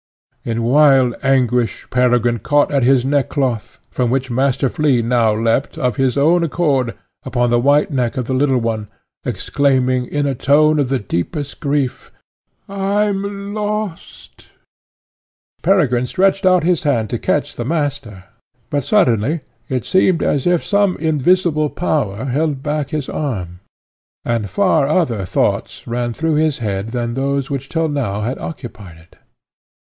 In wild anguish Peregrine caught at his neckcloth, from which Master Flea now leapt, of his own accord, upon the white neck of the little one, exclaiming, in a tone of the deepest grief "I am lost I!" Peregrine stretched out his hand to catch the Master, but suddenly it seemed as if some invisible power held back his arm; and far other thoughts ran through his head than those which till now had occupied it.